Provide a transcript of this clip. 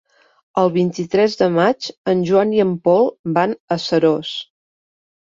El vint-i-tres de maig en Joan i en Pol van a Seròs.